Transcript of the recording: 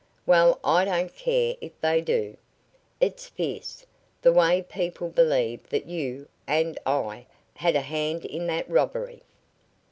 "Well, I don't care if they do. It's fierce the way people believe that you and I had a hand in that robbery."